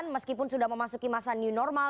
meskipun sudah memasuki masa new normal